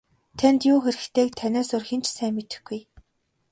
Танд юу хэрэгтэйг танаас өөр хэн ч сайн мэдэхгүй.